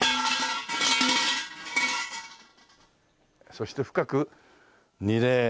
そして深く二礼。